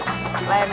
lendari ke sana